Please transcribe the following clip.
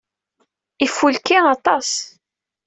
Ifulki aṭas.